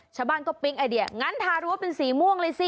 ชาวบ้านก็ปิ๊งไอเดียงั้นทารั้วเป็นสีม่วงเลยสิ